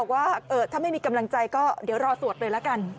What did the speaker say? ว่าถ้าไม่มีกำลังใจก็เดี๋ยวรอสวดเลยละกัน